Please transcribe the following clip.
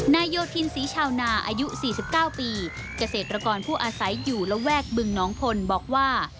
โยธินศรีชาวนาอายุ๔๙ปีเกษตรกรผู้อาศัยอยู่ระแวกบึงน้องพลบอกว่า